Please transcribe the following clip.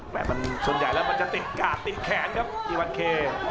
ส่วนใหญ่แล้วมันจะติดกาดติดแขนครับจีวันเค